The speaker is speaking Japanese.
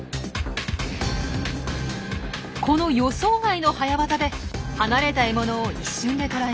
この予想外の早業で離れた獲物を一瞬で捕らえます。